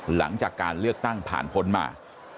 หลังจากการเลือกตั้งผ่านพ้นมา